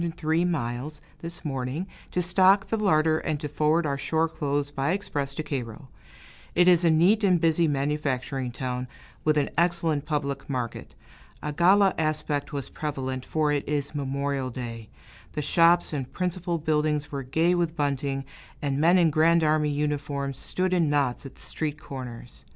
(603 miles), this morning, to stock the larder and to forward our shore clothes by express to Cairo. It is a neat and busy manufacturing town, with an excellent public market. A gala aspect was prevalent, for it is Memorial Day; the shops and principal buildings were gay with bunting, and men in Grand Army uniforms stood in knots at the street corners.